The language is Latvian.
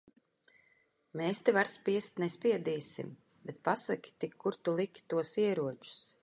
Mēs tev ar spiest nespiedīsim. Bet pasaki tik, kur tu liki tos ieročus?